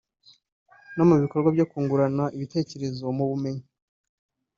no mu bikorwa byo kungurana ibitekerezo mu bumenyi